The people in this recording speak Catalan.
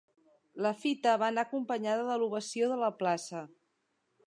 La fita va anar acompanyada de l’ovació de la plaça.